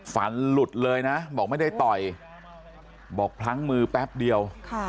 ฟันหลุดเลยนะบอกไม่ได้ต่อยบอกพลั้งมือแป๊บเดียว